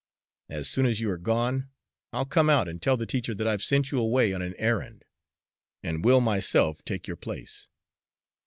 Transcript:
As soon as you are gone, I'll come out and tell the teacher that I've sent you away on an errand, and will myself take your place.